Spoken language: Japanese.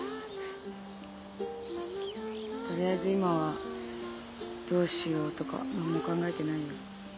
とりあえず今はどうしようとか何も考えてないよ。